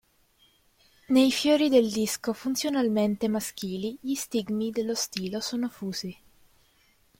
Nei fiori del disco funzionalmente maschili gli stigmi dello stilo sono fusi.